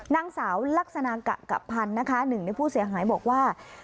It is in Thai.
นางสาวลักษณะกะกะพันธ์นะคะหนึ่งในผู้เสียหายบอกว่า